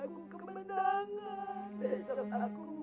setelah itu kamu sampai bersih